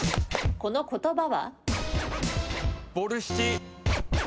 この言葉は？